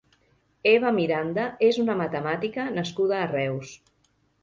Eva Miranda és una matemàtica nascuda a Reus.